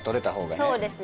そうですね